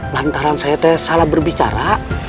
lantaran saya salah berbicara